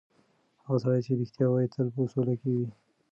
هغه سړی چې رښتیا وایي، تل په سوله کې وي.